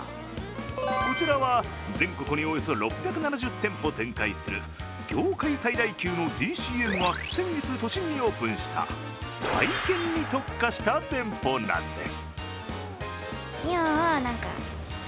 こちらは全国におよそ６７０店舗展開する業界最大級のＤＣＭが先月都心にオープンした体験に特化した店舗なんです。